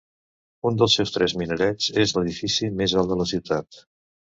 Un dels seus tres minarets és l'edifici més alt de la ciutat.